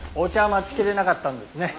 待ちきれなかったんですね。